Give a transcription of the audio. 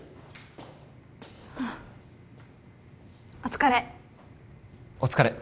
あお疲れ